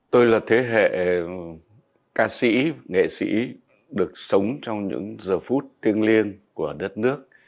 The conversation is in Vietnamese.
tôi là thế hệ ca sĩ nghệ sĩ được sống trong những giờ phút thiêng liêng của đất nước